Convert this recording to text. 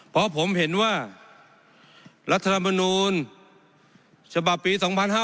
เพราะผมเห็นว่ารัฐธรรมนูลฉบับปี๒๕๕๙